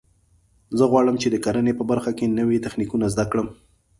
زه غواړم چې د کرنې په برخه کې نوي تخنیکونه زده کړم